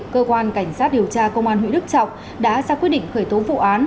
cơ quan cảnh sát điều tra công an huyện đức trọng đã ra quyết định khởi tố vụ án